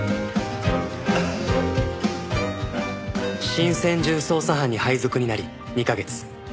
新専従捜査班に配属になり２カ月